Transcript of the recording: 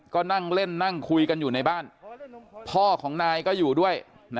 ก็นั่งเล่นนั่งคุยกันอยู่ในบ้านพ่อของนายก็อยู่ด้วย